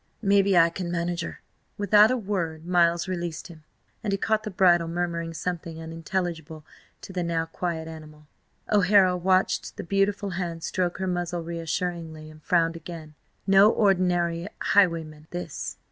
"Mebbe I can manage her." Without a word Miles released him, and he caught the bridle, murmuring something unintelligible to the now quiet animal. O'Hara watched the beautiful hand stroke her muzzle reassuringly, and frowned again. No ordinary highwayman this.